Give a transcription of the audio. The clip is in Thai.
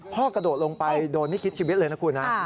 พ่อกระโดดลงไปโดนไม่คิดชีวิตเลยนะครับคุณนะครับ